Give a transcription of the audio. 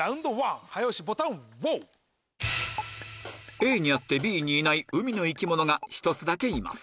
ＡにあってＢにいない海の生き物が１つだけいます